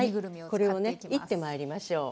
これをねいってまいりましょう。